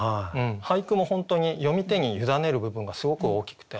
俳句も本当に読み手に委ねる部分がすごく大きくて。